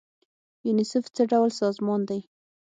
یونیسف څه ډول سازمان دی؟